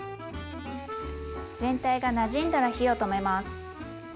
全体がなじんだら火を止めます。